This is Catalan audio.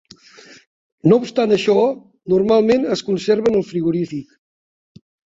No obstant això, normalment es conserven al frigorífic.